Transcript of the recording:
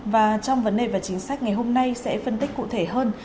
và trong vấn đề và chính sách ngày hôm nay sẽ phân tích cụ thể hơn